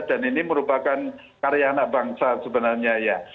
dan ini merupakan karya anak bangsa sebenarnya ya